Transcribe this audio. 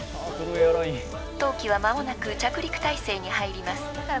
［当機は間もなく着陸体勢に入ります］